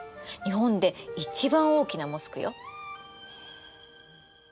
日本で一番大きなモスクよ。